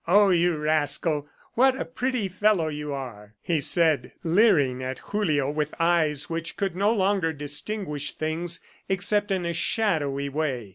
"Oh, you rascal, what a pretty fellow you are!" he said, leering at Julio with eyes which could no longer distinguish things except in a shadowy way.